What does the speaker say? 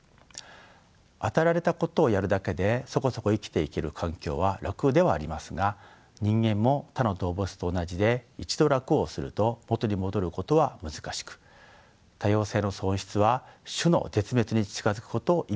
与えられたことをやるだけでそこそこ生きていける環境は楽ではありますが人間も他の動物と同じで一度楽をすると元に戻ることは難しく多様性の喪失は種の絶滅に近づくことを意味するのです。